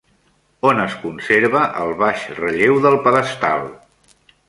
On es conserva el baix relleu del pedestal?